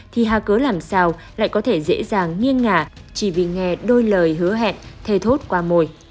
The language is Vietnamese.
thì hà cớ làm sao lại có thể dễ dàng nghiêng ngả chỉ vì nghe đôi lời hứa hẹn thề thốt qua mồi